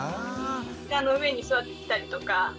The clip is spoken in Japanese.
膝の上に座ってきたりとか。